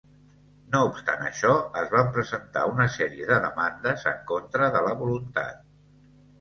No obstant això, es van presentar una sèrie de demandes en contra de la voluntat.